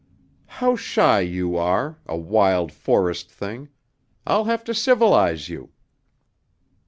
"How shy you are a wild, forest thing! I'll have to civilize you."